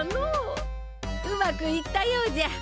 うまくいったようじゃ。